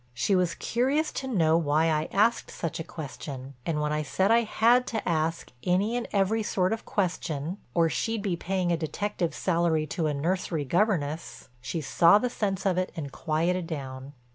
She was curious to know why I asked such a question, and when I said I had to ask any and every sort of question or she'd be paying a detective's salary to a nursery governess, she saw the sense of it and quieted down.